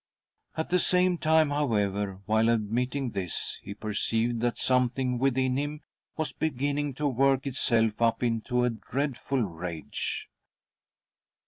At the same time, however, while admitting this, he perceived that something within him was be ginning to work itself up into a dreadful rage.